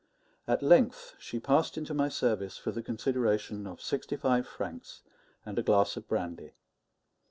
At length she passed into my service for the consideration of sixty five francs and a glass of brandy.